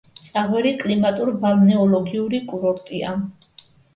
წაღვერი კლიმატურ-ბალნეოლოგიური კურორტია.